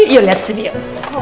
yuk liat sini yuk